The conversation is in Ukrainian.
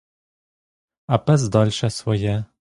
А пес дальше своє.